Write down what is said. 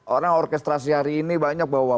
orang orkestrasi hari ini banyak bahwa